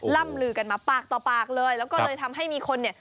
ล่ำลือกันมาปากต่อปากเลยแล้วก็เลยทำให้มีคนเนี่ย